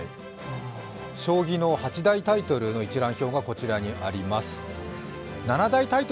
将棋の八大タイトルの一覧表がこちらにあります。